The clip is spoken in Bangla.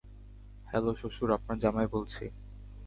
হ্যালো-- শ্বশুর, আপনার জামাই বলছি।